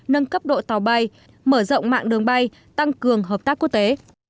nâng cấp đội tàu bay mở rộng mạng đường bay tăng cường hợp tác quốc tế